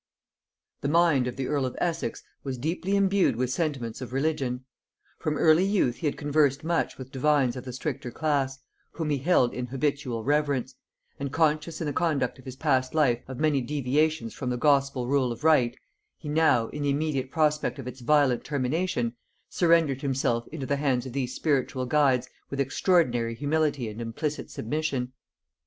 The mind of the earl of Essex was deeply imbued with sentiments of religion: from early youth he had conversed much with divines of the stricter class, whom he held in habitual reverence; and conscious in the conduct of his past life of many deviations from the Gospel rule of right, he now, in the immediate prospect of its violent termination, surrendered himself into the hands of these spiritual guides with extraordinary humility and implicit submission.